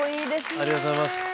ありがとうございます。